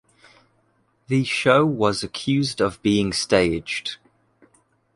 The show was accused of being staged.